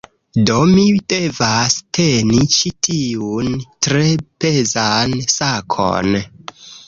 Do, mi devas teni ĉi tiun, tre pezan sakon